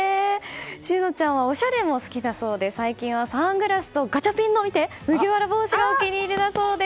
心和ちゃんはおしゃれも好きだそうで最近はサングラスとガチャピンの麦わら帽子がお気に入りだそうです。